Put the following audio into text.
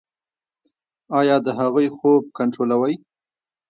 ایا د هغوی خوب کنټرولوئ؟